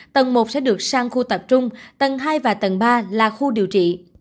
tầng một sẽ được sang khu tập trung tầng hai và tầng ba là khu điều trị